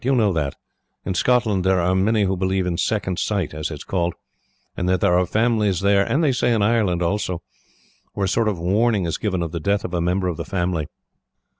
You know that, in Scotland, there are many who believe in second sight, as it is called; and that there are families there, and they say in Ireland, also, where a sort of warning is given of the death of a member of the family.